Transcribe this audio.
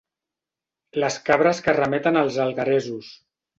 Les cabres que remeten als algueresos.